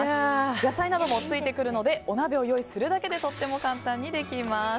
野菜などもついてくるのでお鍋を用意するだけでとっても簡単にできます。